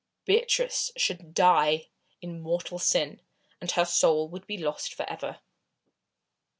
Beatrice should die in mortal sin, and her soul would be lost for ever.